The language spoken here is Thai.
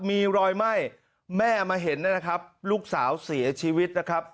มีรอยไหม้แม่มาเห็นนะครับลูกสาวเสียชีวิตนะครับ